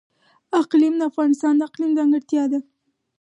اقلیم د افغانستان د اقلیم ځانګړتیا ده.